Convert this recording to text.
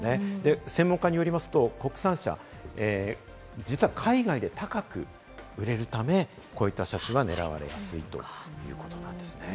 専門家によりますと、国産車、実は海外で高く売れるため、こういった車種が狙われやすいということなんですね。